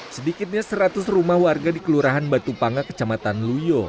sedikitnya seratus rumah warga di kelurahan batu panga kecamatan luyo